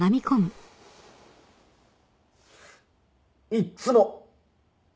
いっつも。